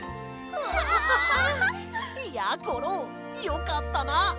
わあ！やころよかったな！